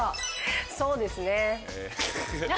そうですね。